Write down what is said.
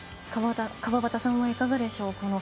川端さんはいかがでしょう